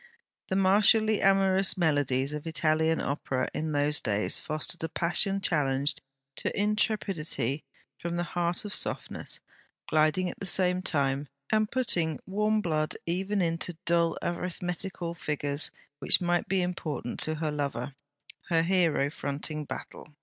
The martially amorous melodies of Italian Opera in those days fostered a passion challenged to intrepidity from the heart of softness; gliding at the same time, and putting warm blood even into dull arithmetical figures which might be important to her lover, her hero fronting battle.